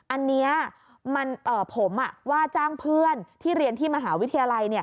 อันนี้ผมว่าจ้างเพื่อนที่เรียนที่มหาวิทยาลัย